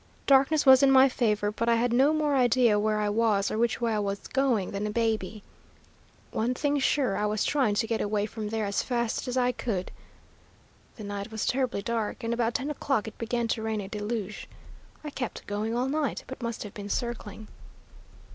Darkness was in my favor, but I had no more idea where I was or which way I was going than a baby. One thing sure, I was trying to get away from there as fast as I could. The night was terribly dark, and about ten o'clock it began to rain a deluge. I kept going all night, but must have been circling.